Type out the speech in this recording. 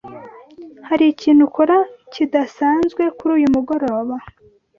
Hari ikintu ukora kidasanzwe kuri uyu mugoroba?